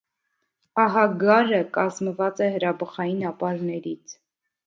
Ահագգարը կազմված է հրաբխային ապարներից։